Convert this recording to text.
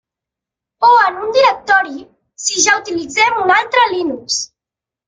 O en un directori si ja utilitzem un altre Linux.